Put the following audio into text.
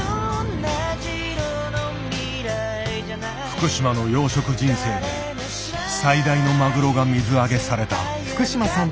福島の養殖人生で最大のマグロが水揚げされた。